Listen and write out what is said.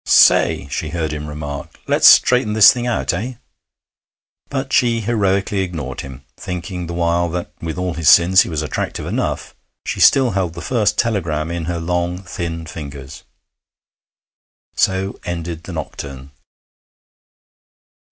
'Say!' she heard him remark: 'let's straighten this thing out, eh?' But she heroically ignored him, thinking the while that, with all his sins, he was attractive enough. She still held the first telegram in her long, thin fingers. So ended the nocturne.